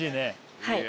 はい。